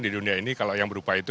di dunia ini kalau yang berupa itu